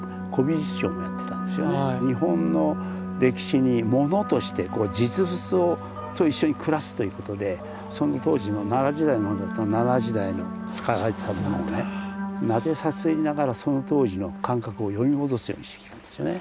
日本の歴史に物として実物と一緒に暮らすということでその当時の奈良時代のだったら奈良時代の使われてた物をねなでさすりながらその当時の感覚を呼び戻すようにしてきたんですよね。